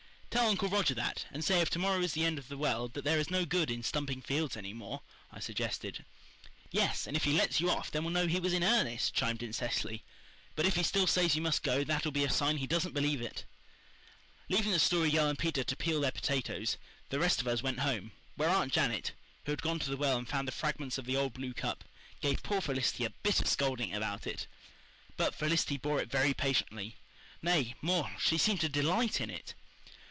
"Tell Uncle Roger that, and say if to morrow is the end of the world that there is no good in stumping any more fields," I suggested. "Yes, and if he lets you off then we'll know he was in earnest," chimed in Cecily. "But if he still says you must go that'll be a sign he doesn't believe it." Leaving the Story Girl and Peter to peel their potatoes, the rest of us went home, where Aunt Janet, who had gone to the well and found the fragments of the old blue cup, gave poor Felicity a bitter scolding about it. But Felicity bore it very patiently nay, more, she seemed to delight in it.